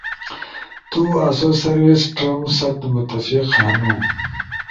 تو اسو سروس ٹرم ست متفق ہنو